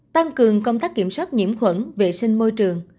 tăng cường công tác kiểm soát nhiễm khuẩn vệ sinh môi trường